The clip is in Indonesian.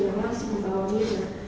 yang langsung membawa mirah